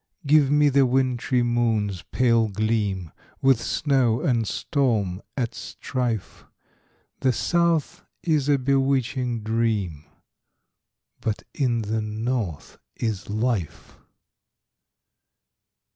Give me the wintry moon's pale gleam, With snow and storm at strife. The south is a bewitching dream, But in the north is life.